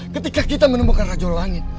ketika kita menemukan rajau langit